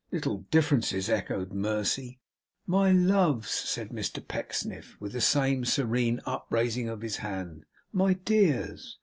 'Little differences!' echoed Mercy. 'My loves!' said Mr Pecksniff, with the same serene upraising of his hand; 'My dears!